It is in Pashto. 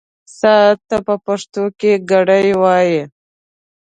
ساعت ته په پښتو کې ګړۍ وايي.